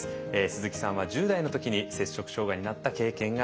鈴木さんは１０代の時に摂食障害になった経験があります。